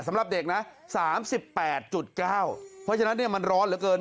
สำหรับเด็กนะ๓๘๙เพราะฉะนั้นมันร้อนเหลือเกิน